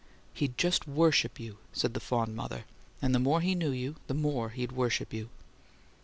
"He'd just worship you," said the fond mother. "And the more he knew you, the more he'd worship you."